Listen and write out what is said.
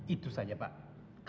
itu saja pak